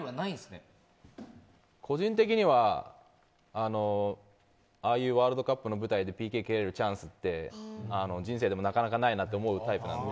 個人的にはああいうワールドカップの舞台でＰＫを蹴れるチャンスって人生でもなかなかないなと思うタイプなんで。